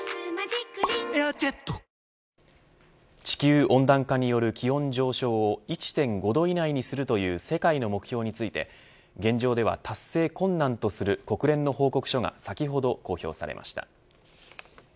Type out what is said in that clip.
地球温暖化による気温上昇を１．５度以内にするという世界の目標について現状では達成困難とする国連の報告書が先ほど公表されました。